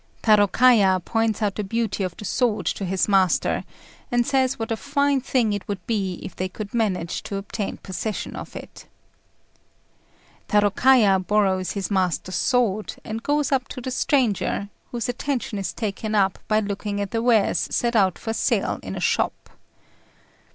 Tarôkaja points out the beauty of the sword to his master, and says what a fine thing it would be if they could manage to obtain possession of it. Tarôkaja borrows his master's sword, and goes up to the stranger, whose attention is taken up by looking at the wares set out for sale in a shop.